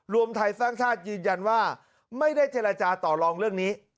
รวมไทยสร้างชาติยืนยันว่าไม่ได้เจรจาต่อลองเรื่องนี้